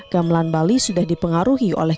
gamelan bali sudah dipengaruhi